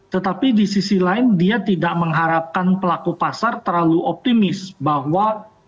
tetapi di sisi lain dia tidak mengharapkan pelaku pasar terlalu optimis bahwa